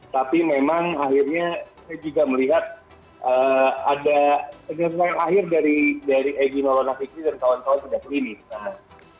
tapi memang akhirnya saya juga melihat ada penyelesaian akhir dari egy malona fikri dan kawan kawan sudah kelima